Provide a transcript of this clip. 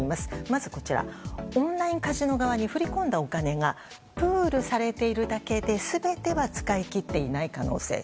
まず、オンラインカジノ側に振り込んだお金がプールされているだけで全ては使い切っていない可能性。